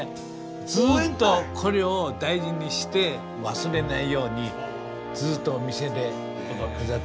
ずっとこれを大事にして忘れないようにずっとお店で飾ってます。